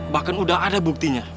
bahkan udah ada buktinya